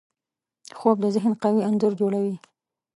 خوب د ذهن قوي انځور جوړوي